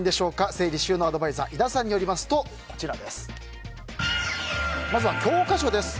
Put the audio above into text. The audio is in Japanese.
整理収納アドバイザー井田さんによりますとまずは教科書です。